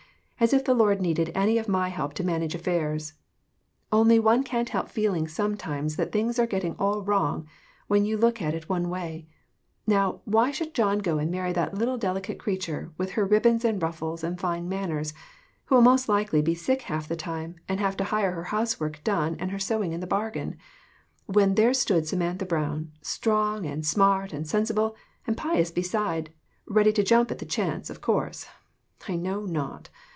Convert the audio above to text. As if the Lord needed any of my help to manage affairs ! Only one can't help feeling sometimes that things are getting all wrong when you look at it one way. Now, why John should go and marry that little delicate creature, with her ribbons and ruf fles and fine manners who will most likely be sick half the time, and have to hire her house work done and her sewing in the bargain when there stood Samantha Brown, strong and smart and sensible, and pious besides, ready to jump at the chance, of course I know not.